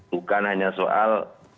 bukan hanya soal